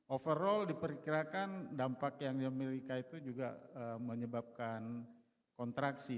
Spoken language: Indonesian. overall diperkirakan dampak yang dimiliki itu juga menyebabkan kontraksi